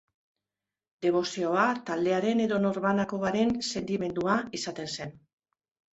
Debozioa taldearen edo norbanakoaren sentimendua izaten zen.